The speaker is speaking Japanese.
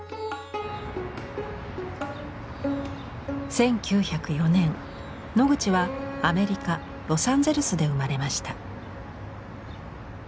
１９０４年ノグチはアメリカ・ロサンゼルスで生まれました。